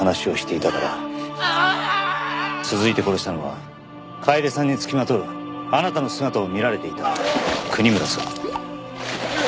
続いて殺したのは楓さんに付きまとうあなたの姿を見られていた国村さん。